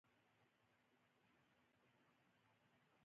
تل به دې ساتم له پردو هېواده!